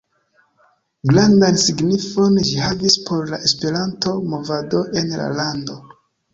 Grandan signifon ĝi havis por la Esperanto-movado en la lando.